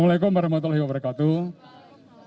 waalaikumsalam warahmatullahi wabarakatuh